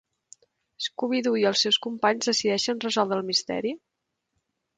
Scooby-Doo i els seus companys decideixen resoldre el misteri?